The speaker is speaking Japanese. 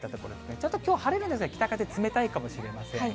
ちょっときょう、晴れるんですが、北風冷たいかもしれません。